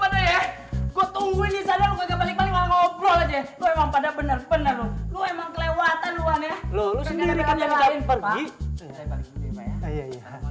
gila lu pada ya